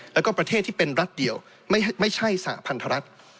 แล้วก็ประเทศที่เป็นรัฐเดียวไม่ใช่สหพันธรัฐ